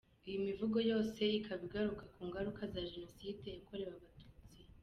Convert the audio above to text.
Iyi mivugo yose ikaba igaruka ku ngaruka za Jenoside yakorewe abatutsi.